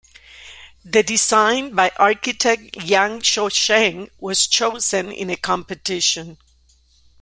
The design, by architect Yang Cho-cheng, was chosen in a competition.